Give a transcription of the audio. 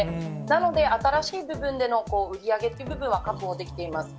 なので、新しい部分での売り上げっていう部分は確保できています。